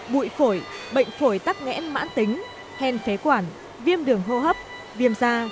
bụi phổi bệnh phổi tắc nghẽn mãn tính hen phế quản viêm đường hô hấp viêm da